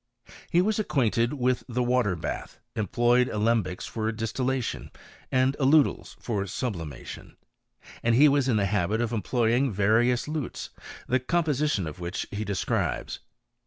He was acquainted with the water bath, emplojl sdembics for distillation, and aludels for sublimatiii and he was in the habit of employing various Intj the composition of which he describes.